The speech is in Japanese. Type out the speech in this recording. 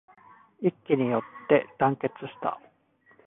一揆によって団結した